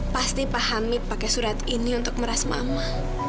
pasti paham mit pakai surat ini untuk meras mama